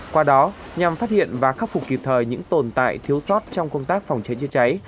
qua đó nhằm phát hiện và khắc phục kịp thời những tồn tại thiếu sót trong công tác phòng cháy chữa cháy